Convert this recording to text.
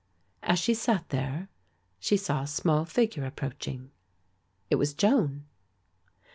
As she sat there she saw a small figure approaching; it was Joan.